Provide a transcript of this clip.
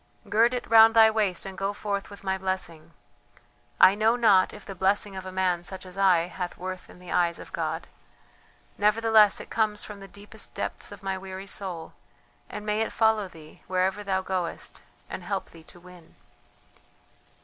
Gird it round thy waist and go forth with my blessing. I know not if the blessing of a man such as I hath worth in the eyes of God; nevertheless it comes from the deepest depths of my weary soul, and may it follow thee wherever thou goest and help thee to win."